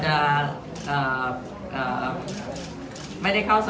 ขอบคุณครับ